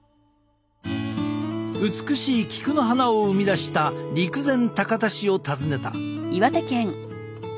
美しい菊の花を生み出した陸前高田市を訪ねた。